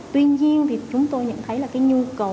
tuy nhiên chúng tôi nhận thấy là nhu cầu